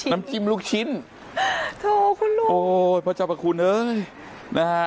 น้ำจิ้มลูกชิ้นโถคุณลุงพระเจ้าบัคคุณ